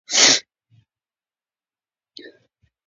که موږ یو بل ته غوږ شو نو شخړې نه کېږي.